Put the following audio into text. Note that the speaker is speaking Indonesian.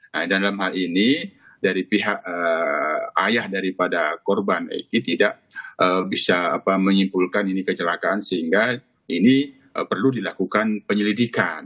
nah dalam hal ini dari pihak ayah daripada korban egy tidak bisa menyimpulkan ini kecelakaan sehingga ini perlu dilakukan penyelidikan